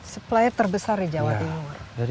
supply terbesar di jawa timur